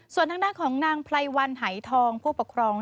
ส่วนหน้างของนางพลัยวัลหายทองผู้ปกครอง